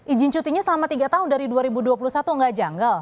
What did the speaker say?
izin cutinya selama tiga tahun dari dua ribu dua puluh satu nggak janggal